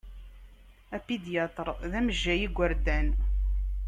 Apidyatr d amejjay n igʷerdan.